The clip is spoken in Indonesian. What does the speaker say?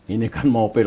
ini kan mobil